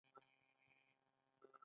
هغه د اورنګزیب پر وړاندې وجنګید.